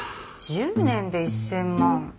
１０年で１，０００万。